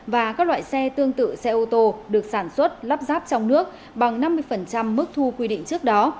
và các loại xe tương tự xe ô tô được sản xuất lắp ráp trong nước bằng năm mươi mức thu quy định trước đó